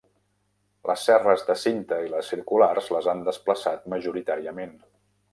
Les serres de cinta i les circulars les han desplaçat majoritàriament.